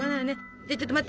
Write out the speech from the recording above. じゃちょっと待って。